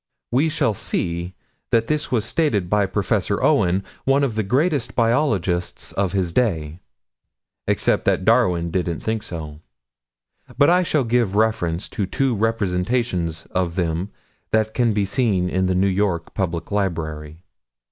We shall see that this was stated by Prof. Owen, one of the greatest biologists of his day except that Darwin didn't think so. But I shall give reference to two representations of them that can be seen in the New York Public Library.